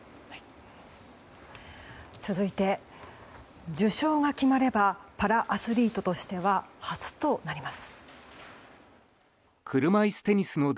続いて、受賞が決まればパラアスリートとしては初となります。